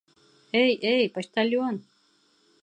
Эй, эй, почтальон!